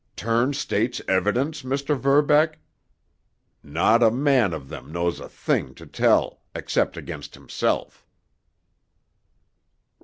Turn state's evidence, Mr. Verbeck? Not a man of them knows a thing to tell, except against himself."